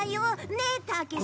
ねえたけし。